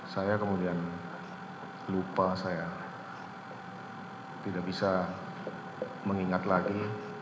saya kemudian lupa saya tidak bisa mengingat lagi